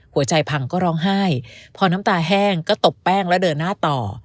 หัวใจพังก็ร้องไห้พอน้ำตาแห้งก็ตบแป้งแล้วเดินหน้าต่อ